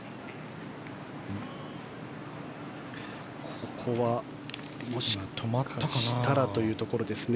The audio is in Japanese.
ここは、もしかしたらというところですね。